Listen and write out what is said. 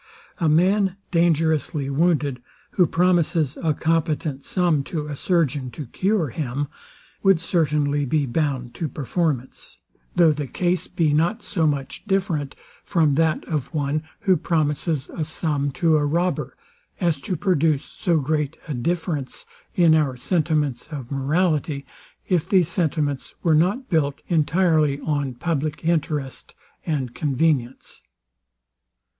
A man, dangerously wounded, who promises a competent sum to a surgeon to cure him, would certainly be bound to performance; though the case be not so much different from that of one, who promises a sum to a robber, as to produce so great a difference in our sentiments of morality, if these sentiments were not built entirely on public interest and convenience.